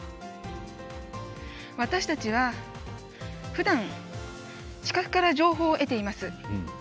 私たちはふだん、視覚から情報を得ています。